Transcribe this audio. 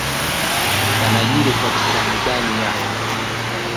yanajiri katika midani ya